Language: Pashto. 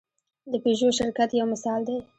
د پيژو شرکت یو مثال دی.